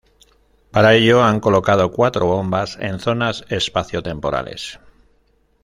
Para ello, han colocado cuatro bombas en zonas espacio-temporales.